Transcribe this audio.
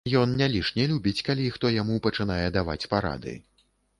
Ён не лішне любіць, калі хто яму пачынае даваць парады.